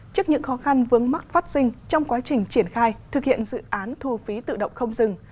trước những khó khăn vướng mắc phát sinh trong quá trình triển khai thực hiện dự án thu phí tự động không dừng